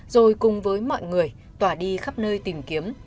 rồi cùng với mọi người tỏa đi khắp nơi tìm kiếm